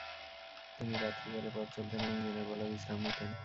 তিনি রাত্রিকালে পথ চলতেন এবং দিনের বেলা বিশ্রাম নিতেন।